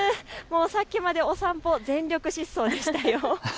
さっきまでお散歩、全力疾走でしたよ。